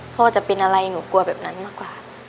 พ่อจะเป็นอะไรหนูกลัวแบบนั้นมากกว่า